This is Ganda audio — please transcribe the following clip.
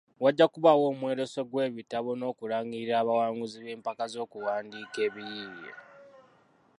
Wajja kubaawo omwoleso gw’ebitabo n’okulangirira abawanguzi b’empaka z’okuwandiika ebiyiiye.